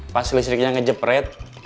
pas listriknya ngejepret